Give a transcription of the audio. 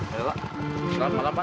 selamat malam pak